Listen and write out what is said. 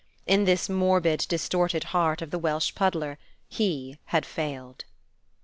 In this morbid, distorted heart of the Welsh puddler he had failed.